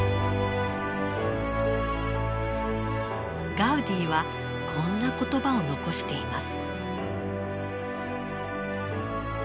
ガウディはこんな言葉を残しています。